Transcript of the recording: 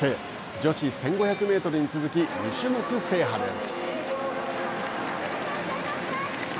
女子１５００メートルに続き２種目制覇です。